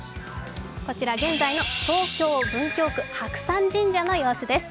こちら現在の東京・文京区白山神社の様子です。